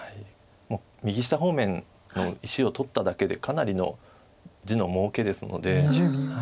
もう右下方面の石を取っただけでかなりの地のもうけですので。